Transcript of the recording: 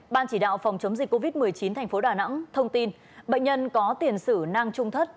ban chỉ đạo phòng chống dịch covid một mươi chín thành phố đà nẵng thông tin bệnh nhân có tiền sử nang trung thất